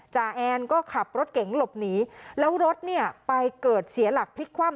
แอนก็ขับรถเก๋งหลบหนีแล้วรถเนี่ยไปเกิดเสียหลักพลิกคว่ำ